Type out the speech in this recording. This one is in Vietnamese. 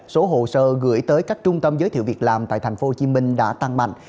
số hồ sơ gửi tới các trung tâm giới thiệu việc làm tại thành phố hồ chí minh đã tăng mạnh